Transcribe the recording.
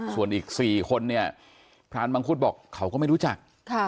ส่วนอีก๔คนเนี่ยพรานมังคุดบอกเขาก็ไม่รู้จัก